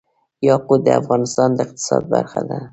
یاقوت د افغانستان د اقتصاد برخه ده.